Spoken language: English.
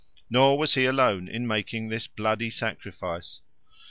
Nor was he alone in making this bloody sacrifice.